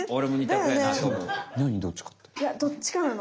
いやどっちかなの。